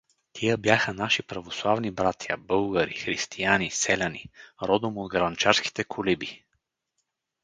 Тия бяха наши православни братя, българи, християни, селяни, родом от Грънчарските колиби!